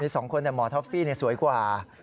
สองคนแต่หมอท็อฟฟี่สวยกว่า